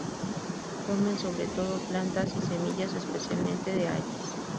Comen sobre todo plantas y semillas, especialmente de hayas.